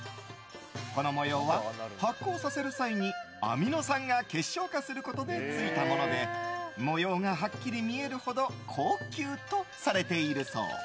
この模様は発酵させる際にアミノ酸が結晶化することでついたもので模様がはっきり見えるほど高級とされているそう。